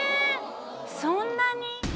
そんなに？